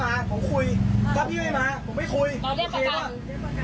มันดังปั้งเลยแล้วพี่ก็รู้ตัวพี่ก็จอดพี่ก็จอดรถเพราะพี่รู้